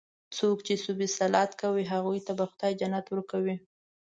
څوک چې صوم صلات کوي، هغوی ته به خدا جنت ورکوي.